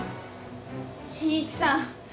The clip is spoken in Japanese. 進一さん